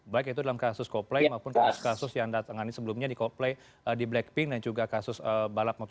baik itu dalam kasus coldplay maupun kasus kasus yang anda tengah ini sebelumnya di coldplay di blackpink dan juga kasus balap motogp